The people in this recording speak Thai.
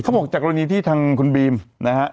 บอกจากกรณีที่ทางคุณบีมนะฮะ